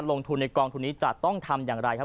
ลงทุนในกองทุนนี้จะต้องทำอย่างไรครับ